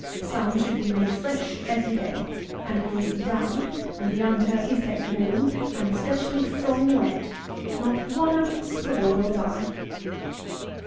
Some should be made fresh every day; and if this be done, and the young turkeys kept warm, and especially from wet, not one out of a score will die.